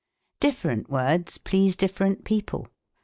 Different words please different people.